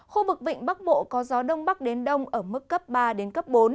khu vực vịnh bắc bộ có gió đông bắc đến đông ở mức cấp ba đến cấp bốn